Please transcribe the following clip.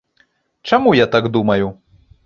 Чаму я так думаю?